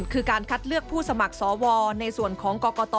คือการคัดเลือกผู้สมัครสวในส่วนของกรกต